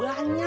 ya udah kakong